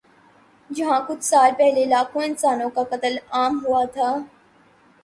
جہاں کچھ سال پہلے لاکھوں انسانوں کا قتل عام ہوا تھا۔